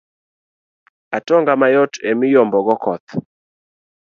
Atonga mayot emiyombogo koth.